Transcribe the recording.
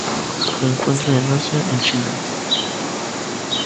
Se encuentran en Asia, en China.